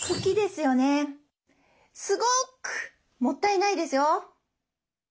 すごくもったいないですよ。